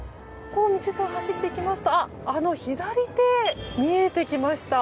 道沿いを走っていくと左手、見えてきました